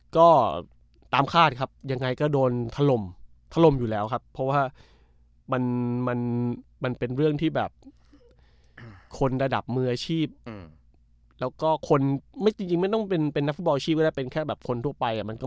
ก็ตามคาดครับยังไงก็โดนทะลมทะลมอยู่แล้วครับเพราะว่ามันมันมันเป็นเรื่องที่แบบคนระดับมืออาชีพ